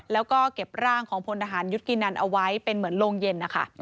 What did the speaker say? แล้วก็เก็บร่างของพลทหารยุทธกินันเอาไว้เป็นเหมือนโรงเย็นนะคะ